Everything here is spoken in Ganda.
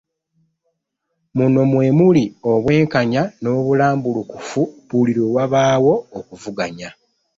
Muno mwe muli obwenkanya n'obulambulukufu buli lwe wabaawo okuvuganya.